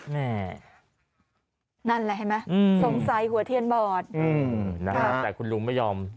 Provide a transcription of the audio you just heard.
นั่นแหละเห็นไหมสงสัยหัวเทียนบอดนะฮะแต่คุณลุงไม่ยอม